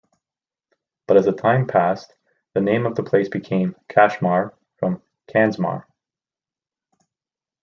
But as the time passed the name of the place became 'Kasmar' from 'Kansmar'.